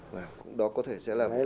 và cũng đó có thể sẽ là